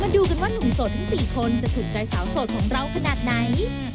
ดูกันว่าหนุ่มโสดทั้ง๔คนจะถูกใจสาวโสดของเราขนาดไหน